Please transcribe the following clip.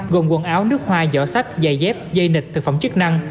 gồm quần áo nước hoa giỏ sách dài dép dây nịch thực phẩm chức năng